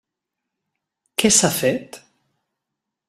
Què s'ha fet?